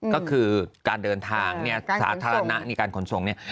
ก็คือการเดินทางเนี่ยสาธารณะในการขนส่งเนี่ย